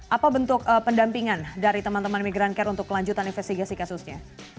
apa bentuk pendampingan dari teman teman migrancare untuk kelanjutan investigasi kasusnya